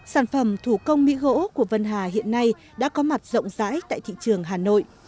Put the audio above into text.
sản phẩm thủ công mỹ gỗ của vân hà hiện nay đã có mặt rộng rãi tại thị trường hà nội